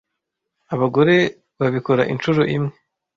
Abagore babikora inshuro imwe